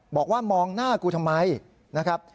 บอกว่ามองหน้ากูทำไมนะครับ